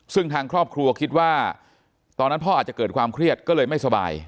ซึ่งทางครอบครัวคิดว่าตอนนั้นพ่ออาจจะเกิดความเครียดก็เลยไม่สบาย